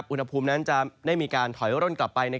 อุณหภูมินั้นจะได้มีการถอยร่นกลับไป